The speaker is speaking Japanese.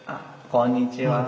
こんにちは。